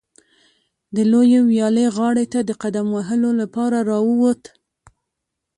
د لویې ویالې غاړې ته د قدم وهلو لپاره راووت.